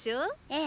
ええ。